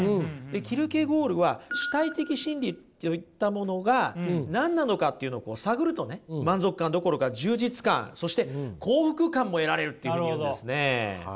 キルケゴールは主体的真理といったものが何なのかっていうのを探るとね満足感どころか充実感そして幸福感も得られるっていうふうに言うんですね。